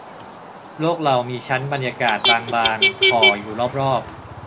โลกเรามีชั้นบรรยากาศบางบาง ห่ออยู่รอบรอบ